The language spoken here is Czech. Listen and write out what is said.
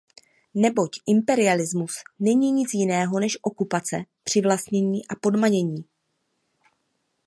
Neboť imperialismus není nic jiného než okupace, přivlastnění a podmanění.